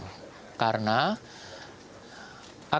kami akan mencari pengetahuan yang sangat panjang